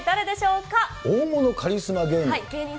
大物カリスマ芸人？